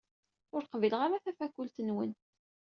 Ur qbileɣ ara tafakult-nwen.